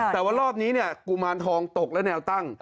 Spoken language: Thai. แต่ว่ารอบนี้เนี่ยกุมารทองตกและแนวตั้ง